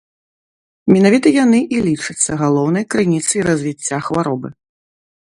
Менавіта яны і лічацца галоўнай крыніцай развіцця хваробы.